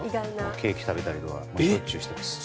ケーキ食べたりしょっちゅうしてます。